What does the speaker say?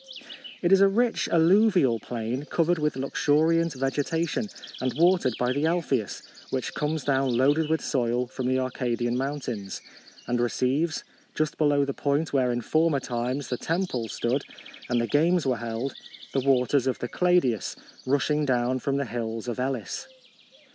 It is a rich alluvial plain, covered with luxuriant vegetation, and wa tered by the Alpheus, which comes down loaded with soil from the Arcadian mountains, and receives, just below the point where in former times the temples stood and the games were held, the waters of the Cladeus, rushing down from the hills of Elis.